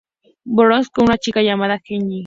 Bart conoce una chica llamada Jenny.